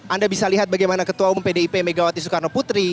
anda bisa lihat bagaimana ketua umum pdip megawati soekarno putri